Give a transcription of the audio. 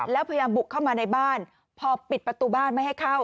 แล้วพยายามบุกเข้ามาในบ้านพอปิดประตูบ้านไม่ให้เข้า